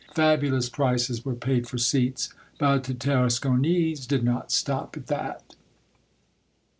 Fabulous prices were paid for seats. But the Tarasconese did not stop at that.